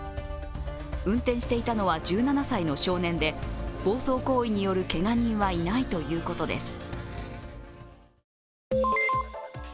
運転していたのは１７歳の少年で暴走行為によるけが人はいないということです。